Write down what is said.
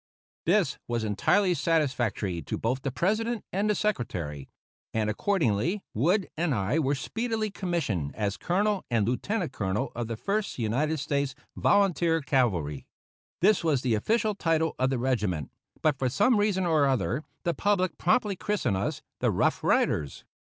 This was entirely satisfactory to both the President and Secretary, and, accordingly, Wood and I were speedily commissioned as Colonel and Lieutenant Colonel of the First United States Volunteer Cavalry. This was the official title of the regiment, but for some reason or other the public promptly christened us the "Rough Riders."